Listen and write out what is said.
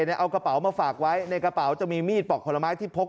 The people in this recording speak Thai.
เอากระเป๋ามาฝากไว้ในกระเป๋าจะมีมีดปอกผลไม้ที่พก